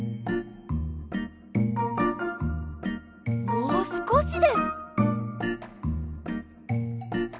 もうすこしです！